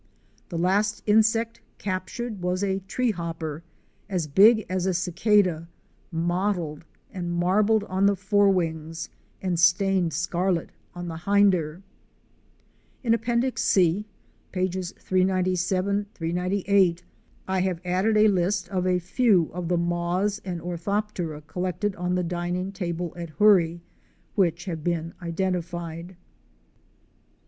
The last insect captured was a tree hopper as big as a cicada, mottled and marbled on the fore wings, and stained scarlet on the hinder. In Appendix C, pages 397, 398, I have added a list of a few of the moths and Orthoptera collected on the dining table at Hoorie, which have been identified.